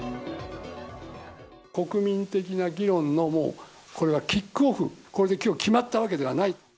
国民的な議論の、もうこれはキックオフ、これできょう決まったわけではない。